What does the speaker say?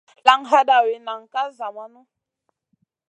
Laŋ hadawi, nan ka zamaŋu.